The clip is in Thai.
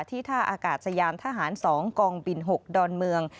ท่าอากาศยานทหาร๒กองบิน๖ดอนเมือง